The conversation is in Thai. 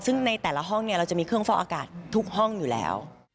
ซึ่งในแต่ละห้องเนี่ยเราจะมีเครื่องฟอกอากาศทุกห้องอยู่แล้ว